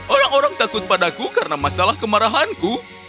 orang orang takut padaku karena masalah kemarahanku